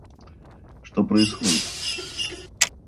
Что происходит?